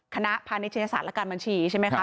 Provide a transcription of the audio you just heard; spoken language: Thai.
คณะพานิชยศาสตร์และการบัญชีใช่ไหมคะ